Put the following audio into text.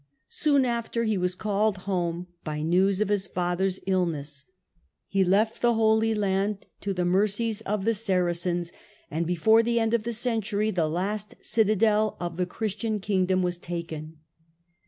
Soon after he was called home by news of his father's illness. He left the Holy Land to the mercies of the Saracens, and before the end of the century the last citadel of the Christian kingdom was taken.